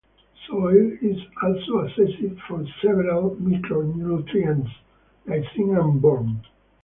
Soil is also assessed for several micronutrients, like zinc and boron.